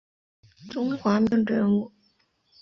中华民国及满洲国政治人物。